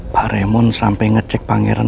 pak remon sampai ngecek pangeran